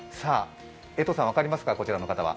江藤さん、分かりますか、こちらの方は？